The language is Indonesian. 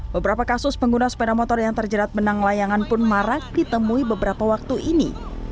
beberapa kasus pengguna sepeda motor yang terjerat benang layangan pun marak ditemui beberapa waktu ini